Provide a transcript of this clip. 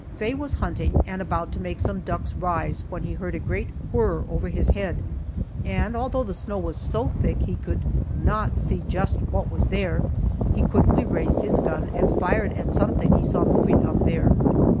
Faye was hunting, and about to make some ducks rise when he heard a great whir over his head, and although the snow was so thick he could not see just what was there, he quickly raised his gun and fired at something he saw moving up there.